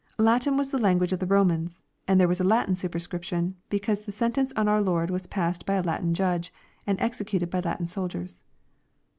— Latin was the language of the Romans, and there was a Latin superscription, because the sen tence on our Lord was passed by a Latin judge, and executed by Latin soldiers.